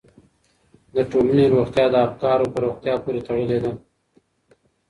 د ټولنې روغتیا د افکارو په روغتیا پورې تړلې ده.